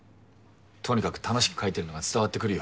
とにかく楽しく描いてるのが伝わってくるよ。